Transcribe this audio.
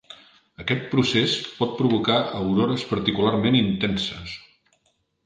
Aquest procés pot provocar aurores particularment intenses.